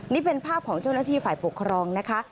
นี่เป็นภาพของเจ้าหน้าที่ฝ่ายปกครองนะคะ